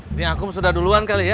ini aku sudah duluan kali ya